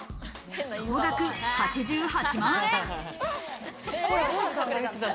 総額８８万円。